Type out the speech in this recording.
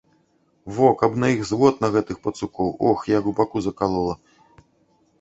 Во, каб на іх звод, на гэтых пацукоў, ох, як у баку закалола.